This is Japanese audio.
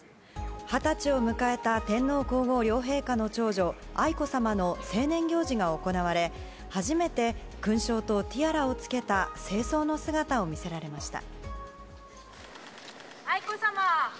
二十歳を迎えた天皇・皇后両陛下の長女愛子さまの成年行事が行われ初めて勲章とティアラを着けた正装の姿を見せられました。